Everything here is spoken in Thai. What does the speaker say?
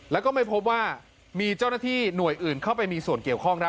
แล้วก็ไม่พบว่ามีเจ้าหน้าที่หน่วยอื่นเข้าไปมีส่วนเกี่ยวข้องนะ